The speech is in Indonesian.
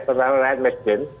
terutama rakyat masjid